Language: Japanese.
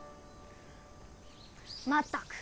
まったく！